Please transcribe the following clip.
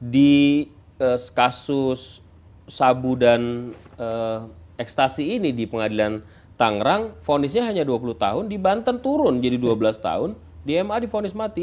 di kasus sabu dan ekstasi ini di pengadilan tangerang fonisnya hanya dua puluh tahun di banten turun jadi dua belas tahun di ma difonis mati